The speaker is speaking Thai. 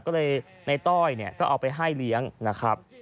ก็เลยในต้อยเนี่ยก็เอาไปให้เลี้ยงนะครับ